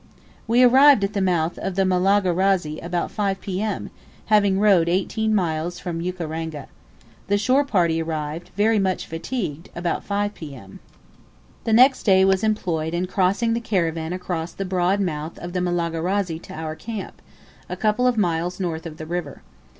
We arrived at the mouth of the Malagarazi about P.M., having rowed eighteen miles from Ukaranga. The shore party arrived, very much fatigued, about 5 P.M. The next day was employed in crossing the caravan across the broad mouth of the Malagarazi to our camp, a couple of miles north of the river.